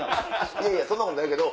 いやいやそんなことないけど。